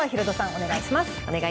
お願いします。